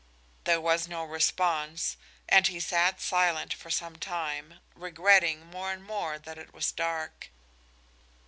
There was no response, and he sat silent for some time, regretting more and more that it was so dark.